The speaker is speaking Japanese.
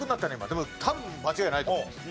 でも多分間違いないと思うんです。